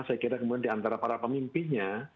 saya kira kemudian di antara para pemimpinnya